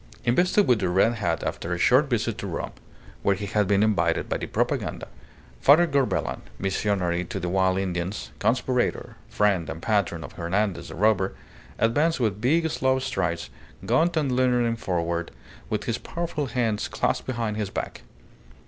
Invested with the red hat after a short visit to Rome, where he had been invited by the Propaganda, Father Corbelan, missionary to the wild Indians, conspirator, friend and patron of Hernandez the robber, advanced with big, slow strides, gaunt and leaning forward, with his powerful hands clasped behind his back.